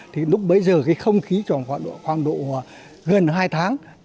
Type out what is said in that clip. thì lúc bấy giờ cái không khí tròn khoảng độ gần hai tháng